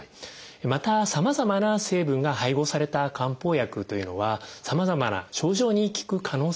またさまざまな成分が配合された漢方薬というのはさまざまな症状に効く可能性があります。